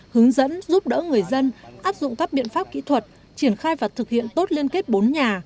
hướng dẫn giúp đỡ người dân áp dụng các biện pháp kỹ thuật triển khai và thực hiện tốt liên kết bốn nhà